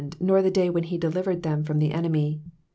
wr the day when he delivered them from the enemy.